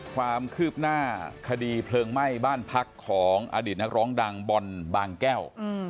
ความคืบหน้าคดีเพลิงไหม้บ้านพักของอดีตนักร้องดังบอลบางแก้ว